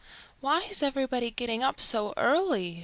"Why is everybody getting up so early?"